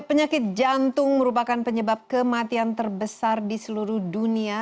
penyakit jantung merupakan penyebab kematian terbesar di seluruh dunia